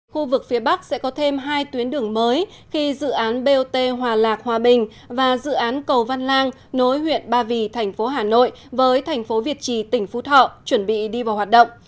khu vực phía bắc sẽ có thêm hai tuyến đường mới khi dự án bot hòa lạc hòa bình và dự án cầu văn lang nối huyện ba vì thành phố hà nội với thành phố việt trì tỉnh phú thọ chuẩn bị đi vào hoạt động